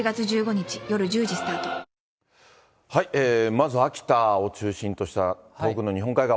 まず秋田を中心とした東北の日本海側。